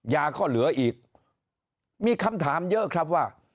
ยาก็เหลืออีกมีคำถามเยอะครับว่า